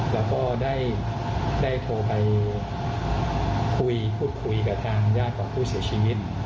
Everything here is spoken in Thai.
แล้วก็ได้โทรศัพท์ไปพูดคุยกับญาติผู้เสียชีวิต